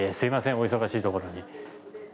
お忙しいところに。